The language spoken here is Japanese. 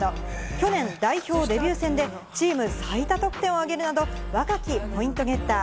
去年、代表デビュー戦でチーム最多得点をあげるなど、若きポイントゲッター。